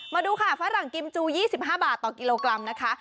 มาดูค่ะฝรั่งกิมจู๒๕บาทต่อกิโลกรัมนะคะ